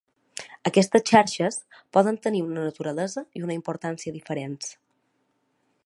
Aquestes xarxes poden tenir una naturalesa i una importància diferents.